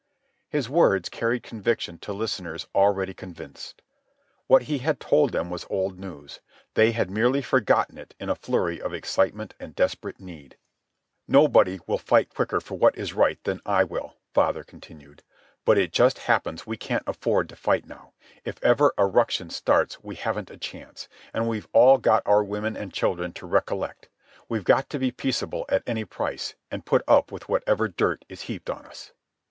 His words carried conviction to listeners already convinced. What he had told them was old news. They had merely forgotten it in a flurry of excitement and desperate need. "Nobody will fight quicker for what is right than I will," father continued. "But it just happens we can't afford to fight now. If ever a ruction starts we haven't a chance. And we've all got our women and children to recollect. We've got to be peaceable at any price, and put up with whatever dirt is heaped on us."